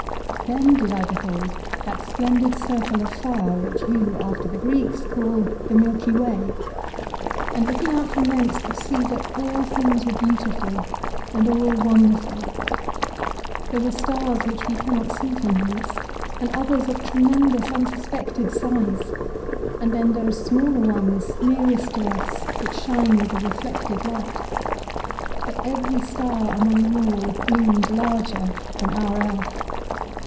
"Then did I behold that splendid circle of fire which you after the Greeks call the Milky Way, and looking out from thence could see that all things were beautiful and all wonderful. There were stars which we cannot see from hence, and others of tremendous unsuspected size ; and then those smaller ones, nearest to us which shine with a reflected light. But every star among them all loomed larger than our earth.